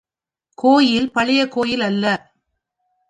கோயில் பழைய கோயில் அல்ல.